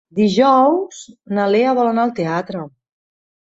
Dijous na Lea vol anar al teatre.